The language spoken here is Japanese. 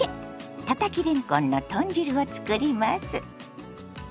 たたきれんこんの豚汁を作ります。